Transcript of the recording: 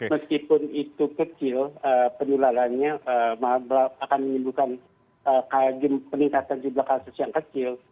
meskipun itu kecil penularannya akan menimbulkan peningkatan jumlah kasus yang kecil